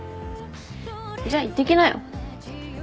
じゃあ行ってきなよ。